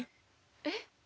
えっ？